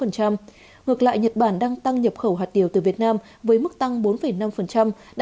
ngược lại nhật bản đang tăng nhập khẩu hạt điều từ việt nam với mức tăng bốn năm đạt một mươi hai chín mươi hai triệu usd